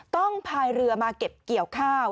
พายเรือมาเก็บเกี่ยวข้าว